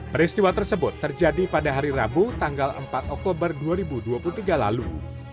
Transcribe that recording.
peristiwa tersebut terjadi pada hari rabu tanggal empat oktober dua ribu dua puluh tiga lalu